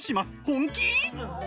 本気！？